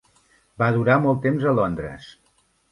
Va durar molt temps a Londres.